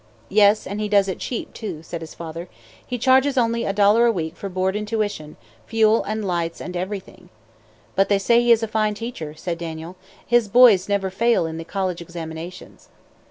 "Yes, and he does it cheap, too," said his father. "He charges only a dollar a week for board and tuition, fuel and lights and everything." "But they say he is a fine teacher," said Daniel. "His boys never fail in the college examinations."